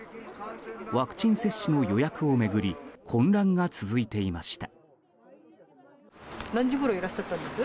ワクチン接種の予約を巡り混乱が続いていました。